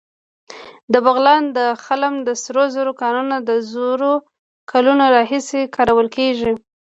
د بغلان د خلم د سرو زرو کانونه د زرو کلونو راهیسې کارول کېږي